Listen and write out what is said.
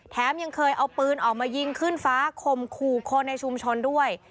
ยังเคยเอาปืนออกมายิงขึ้นฟ้าข่มขู่คนในชุมชนด้วย